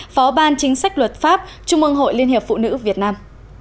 phó ban chính sách luật pháp trung ương hội liên hiệp phụ nữ việt nam